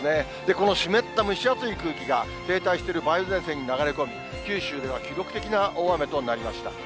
この湿った蒸し暑い空気が停滞している梅雨前線に流れ込み、九州では記録的な大雨となりました。